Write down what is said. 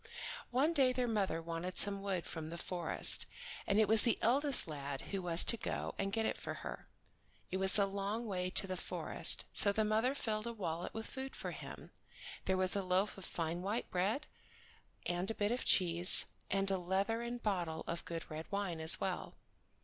One day their mother wanted some wood from the forest, and it was the eldest lad who was to go and get it for her. It was a long way to the forest, so the mother filled a wallet with food for him. There was a loaf of fine white bread, and a bit of cheese, and a leathern bottle of good red wine as well.